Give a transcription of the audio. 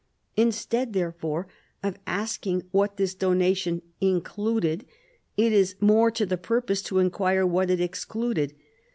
Instead, therefore, of asking what this donation included, it is more to the purpose to inquire what it excluded.